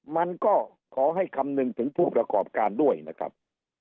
มันก็ขอให้คำนึงถึงผู้ประกอบการด้วยนะครับ